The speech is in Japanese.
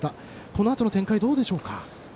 このあとの展開どうでしょうか？